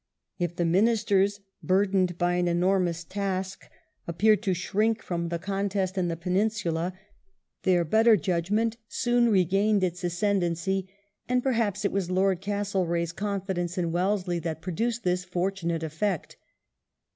If the Ministers, burdened by an enormous task, appeared to io8 WELLINGTON chap. shrink from the contest in the Peninsula^ their better judgment soon regained its ascendency, and perhaps it was Lord Castlereagh's confidence in Wellesley that produced this fortunate effect.